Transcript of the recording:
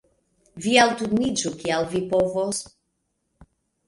Vi elturniĝu kiel vi povos.